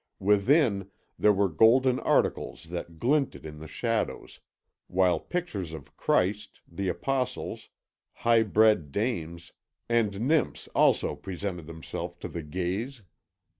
Within, there were golden articles that glinted in the shadows, while pictures of Christ, the Apostles, high bred dames, and nymphs also presented themselves to the gaze.